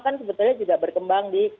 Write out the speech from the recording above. kan sebetulnya juga berkembang di